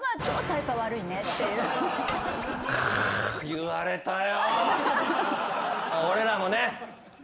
言われたよ。